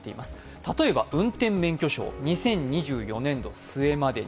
例えば運転免許証、２０２４年度末までに。